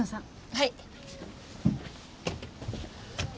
はい。